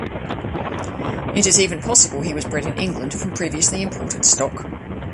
It is even possible he was bred in England from previously imported stock.